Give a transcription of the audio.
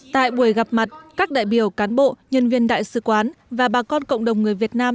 tại buổi gặp mặt các đại biểu cán bộ nhân viên đại sứ quán và bà con cộng đồng người việt nam